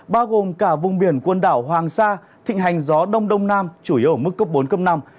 bao gồm cả vùng biển quần đảo hoàng sa thịnh hành gió đông đông nam chủ yếu ở mức cấp bốn năm